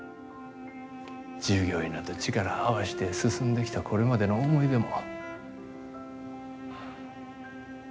従業員らと力合わして進んできたこれまでの思い出も。